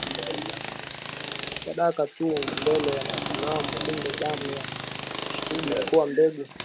sadaka tu mbele ya sanamu Kumbe damu ya mashahidi ilikuwa mbegu